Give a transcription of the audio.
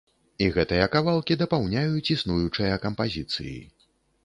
І гэтыя кавалкі дапаўняюць існуючыя кампазіцыі.